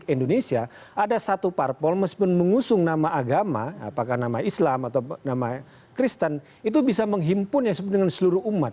kalau di indonesia ada satu parpol mengusung nama agama apakah nama islam atau nama kristen itu bisa menghimpunnya dengan seluruh umat